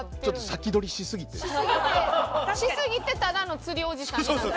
しすぎてただの釣りおじさんになった？